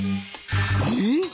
えっ！？